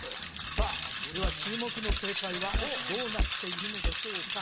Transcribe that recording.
さあでは注目の正解はどうなっているのでしょうか？